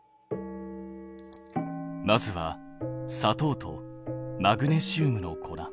まずは砂糖とマグネシウムの粉。